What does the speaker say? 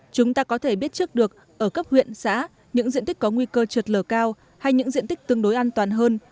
chúng ta có thể biết trước được ở cấp huyện xã những diện tích có nguy cơ trượt lở cao hay những diện tích tương đối an toàn hơn